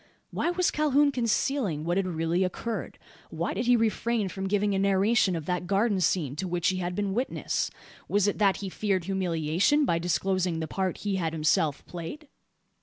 Why was Calhoun concealing what had really occurred? Why did he refrain from giving a narration of that garden scene to which he had been witness? Was it, that he feared humiliation by disclosing the part he had himself played?